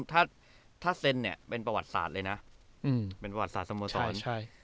ถ้าถ้าเซ็นเนี่ยเป็นประวัติศาสตร์เลยนะเป็นประวัติศาสตร์สโมสรใช่